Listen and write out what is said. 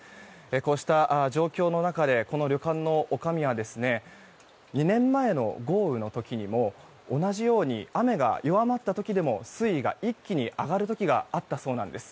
こうした状況の中でこの旅館のおかみは２年前の豪雨の時にも同じように雨が弱まった時でも水位が一気に上がる時があったそうなんです。